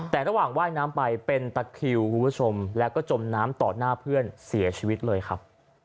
แต่ระหว่างว่ายน้ำไปเป็นตะคิวคุณผู้ชมแล้วก็จมน้ำต่อหน้าเพื่อนเสียชีวิตเลยครับ